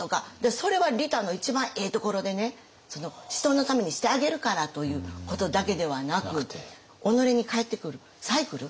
それは利他の一番ええところでね人のためにしてあげるからということだけではなく己に返ってくるサイクル。